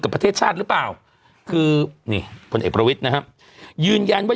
ประเทศชาติหรือเปล่าคือนี่พลเอกประวิทย์นะครับยืนยันว่า